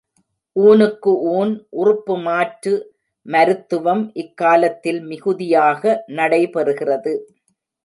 ஊனுக்கு ஊன் உறுப்பு மாற்று மருத்துவம் இக்காலத்தில் மிகுதியாக நடைபெறுகிறது.